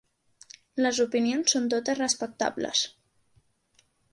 Les opinions són totes respectables.